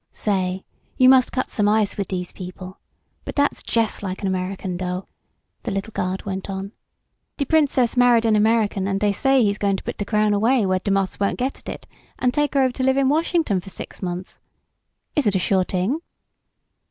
"Say, you must cut some ice wid dese people. But dat's jest like an American, dough," the little guard went on. "De Princess married an American an' dey say he's goin' to put d' crown away where d' moths won't git at it an' take her over to live in Washington fer six months. Is it a sure t'ing?"